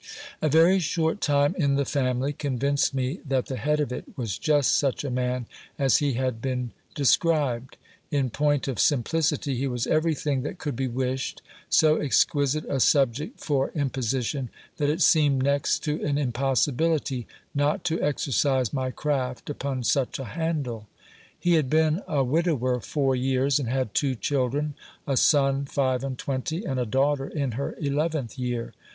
A very short time in the family convinced me that the head of it was just such a man as he had been described. In point of simplicity, he was everything that could be wished ; so exquisite a subject for imposition, that it seemed next to an impossibility not to exercise my craft upon such a handle. He had been a widower four years, and had two children, a son five and twenty, and a daughter in her eleventh year.